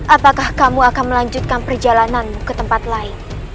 apakah kamu akan melanjutkan perjalananmu ke tempat lain